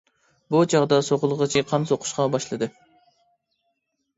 بۇ چاغدا سوقۇلغۇچى قان قۇسۇشقا باشلىدى.